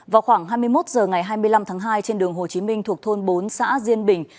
vào khoảng hai mươi một h ngày hai mươi năm tháng hai trên đường hồ chí minh thuộc thôn bốn xã diên bình